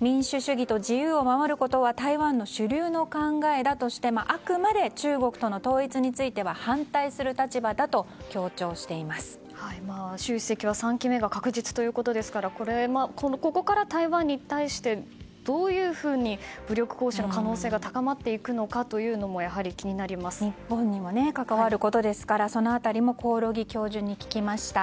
民主主義と自由を守ることは台湾の主流の考えだとしてあくまで中国との統一については反対する立場だと習主席は３期目が確実ということですからここから台湾に対してどういうふうに武力行使の可能性が高まっていくのかというのも日本にも関わることですからその辺りも興梠教授に聞きました。